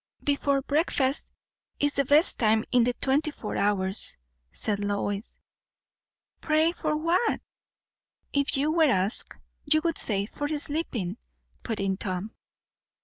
"Before breakfast is the best time in the twenty four hours," said Lois. "Pray, for what?" "If you were asked, you would say, for sleeping," put in Tom.